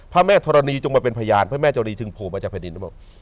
พระแม่ธรณีจงมาเป็นพยานพระแม่เจ้ารีถึงโผล่มาจากแผ่นดินบอก